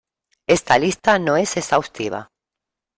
Esta lista no es exhaustiva.